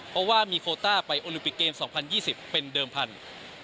เพราะว่ามีโคต้าไปโอลิมปิกเกม๒๐๒๐เป็นเดิมพันธุ์